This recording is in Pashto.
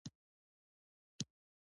وړتیا او هنر د غریب سړي شتمني ده.